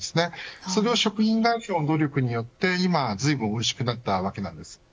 それを食品会社の努力によって今はずいぶん美味しくなったわけです。